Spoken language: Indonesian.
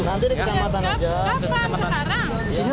nanti ke kecamatan aja